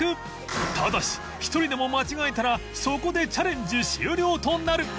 ただし１人でも間違えたらそこでチャレンジ終了となる